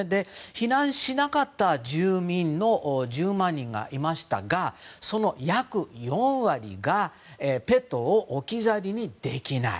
避難しなかった住民、１０万人いましたがその約４割がペットを置き去りにできない。